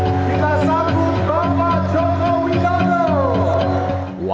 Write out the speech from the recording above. kita sambut bapak jokowi dodo